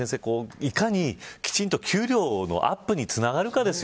いかにきちんと、給料のアップにつながるかですよ。